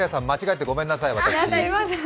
間違えてごめんなさい。